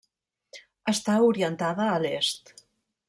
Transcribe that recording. Està orientada a l'est.